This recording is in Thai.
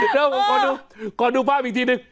เดี๋ยวผมขอดูขอดูภาพอีกทีนึง